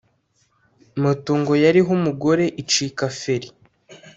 moto ngo yariho(umugore) icika Feri